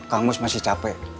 kang mus masih capek